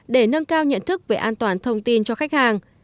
để nâng cao nhận thức về an toàn thông tin cho khách hàng